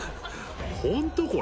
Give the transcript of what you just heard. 本当？